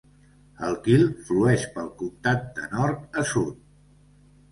El Kyll flueix pel comtat de nord a sud.